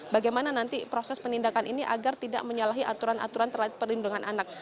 bagaimana nanti proses penindakan ini agar tidak menyalahi aturan aturan terkait perlindungan anak